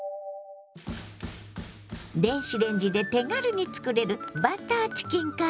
電子レンジで手軽につくれる「バターチキンカレー」。